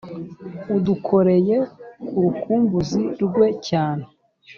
adukoreye ku rukumbuzi rwe cyane